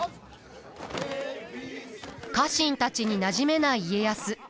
家臣たちになじめない家康。